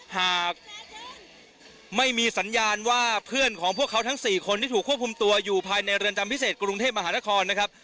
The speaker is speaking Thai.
หากไม่มีสัญญาณว่าเพื่อนของพวกเขาทั้ง๔คนที่ถูกควบคุมตัวอยู่ภายในเรือนจำพิเศษกรุงเทพมหานครนะครับ